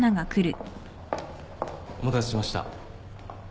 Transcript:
お待たせしました。